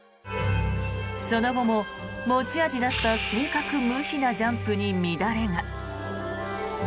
その後も、持ち味だった正確無比なジャンプに乱れが。